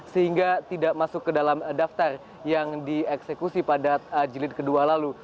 sehingga tidak masuk ke dalam daftar yang dieksekusi pada jilid kedua lalu